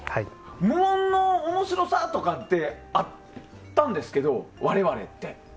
無音の面白さとかってあったんですけど、我々って。